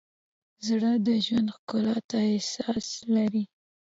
زړه د ژوند ښکلا ته احساس لري.